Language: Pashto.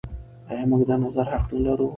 آیا موږ د نظر حق نلرو؟